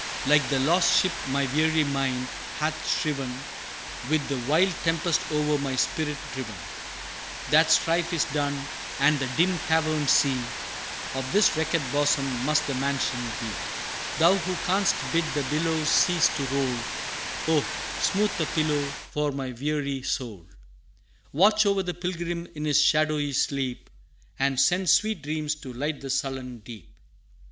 Like the lost ship my weary mind hath striven With the wild tempest o'er my spirit driven; That strife is done and the dim caverned sea Of this wrecked bosom must the mansion be. Thou who canst bid the billows cease to roll, Oh! smooth a pillow for my weary soul Watch o'er the pilgrim in his shadowy sleep, And send sweet dreams to light the sullen deep!'